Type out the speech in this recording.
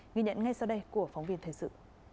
ghi nhận ngay sau đây của phóng viên thời sự